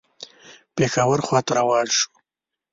پېښور خواته روان شول.